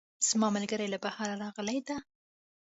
زما ملګرۍ له بهره راغلی ده